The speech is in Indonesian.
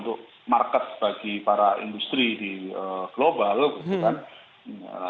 untuk market bagi para industri di global gitu kan